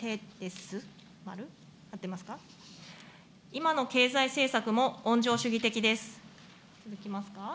今の経済政策も温情主義的です。